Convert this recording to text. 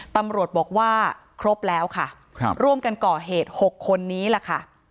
ตำรวจบอกว่าครบแล้วค่ะร่วมกันก่อเหตุ๖คนนี้ล่ะค่ะ